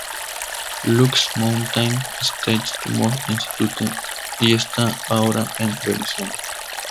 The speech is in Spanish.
Luke's Mountain States Tumor Institute y está ahora en remisión.